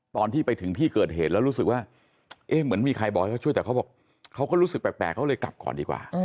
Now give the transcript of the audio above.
ตอนที่ไปถึงที่เกิดเหตุแล้วรู้สึกว่าเอ๊ะเหมือนมีใครบอกให้เขาช่วยแต่เขาบอกเขาก็รู้สึกแปลกเขาเลยกลับก่อนดีกว่า